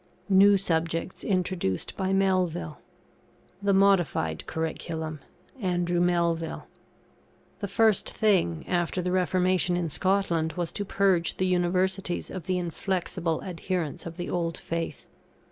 [NEW SUBJECTS INTRODUCED BY MELVILLE.] THE MODIFIED CURRICULUM ANDREW MELVILLE. The first thing, after the Reformation in Scotland, was to purge the Universities of the inflexible adherents of the old faith.